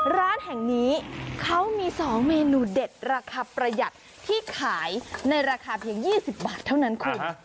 ร้านแห่งนี้เขามี๒เมนูเด็ดราคาประหยัดที่ขายในราคาเพียง๒๐บาทเท่านั้นคุณ